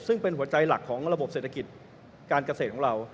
ซึ่งเป็นหัวใจหลักของระบบเศรษฐกิจการเกษตรของเรา